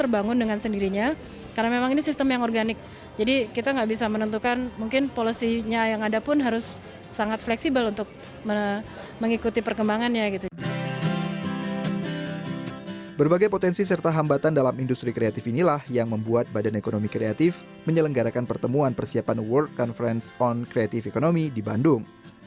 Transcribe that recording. berbagai potensi serta hambatan dalam industri kreatif inilah yang membuat badan ekonomi kreatif menyelenggarakan pertemuan persiapan world conference on creative economy di bandung